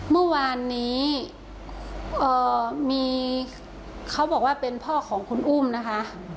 เมื่อวานนี้มีเขาบอกว่าเป็นพ่อของคุณอุ้มนะคะ